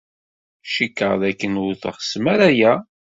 Cikkeɣ dakken ur teɣsem ara aya.